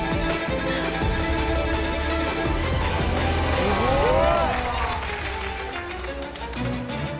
すごい！